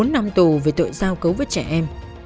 bốn năm tù về tội giao cấu với trẻ em